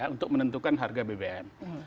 untuk menentukan harga bbm